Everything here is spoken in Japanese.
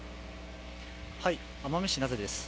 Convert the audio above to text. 奄美市名瀬です。